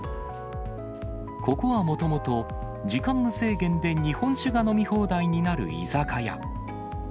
ここはもともと、時間無制限で日本酒が飲み放題になる居酒屋。